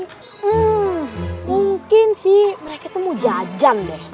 hmm mungkin sih mereka tuh mau jajan deh